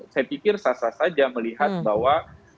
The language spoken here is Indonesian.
saya pikir sasar saja melihat bahwa